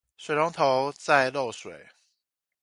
水龍頭在漏水